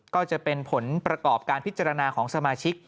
ก็จะเป็นผลประกอบการพิจารณาของสมาชิก